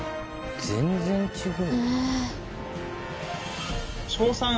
全然違う。